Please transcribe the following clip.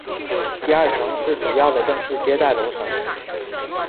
第二层是主要的正式接待楼层。